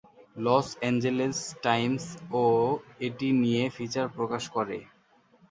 Loss Angeles Times ও এটি নিয়ে ফিচার প্রকাশ করে।